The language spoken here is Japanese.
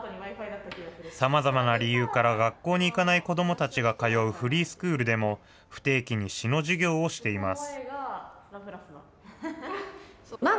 さまざまな理由から学校に行かない子どもたちが通うフリースクールでも、不定期に詩の授業をしています。